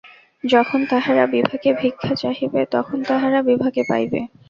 যখন তাহারা বিভাকে ভিক্ষা চাহিবে, তখন তাহারা বিভাকে পাইবে!